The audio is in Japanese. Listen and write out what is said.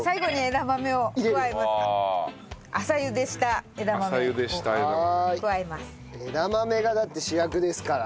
枝豆がだって主役ですから。